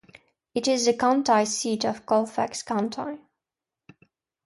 It is the county seat of Colfax County.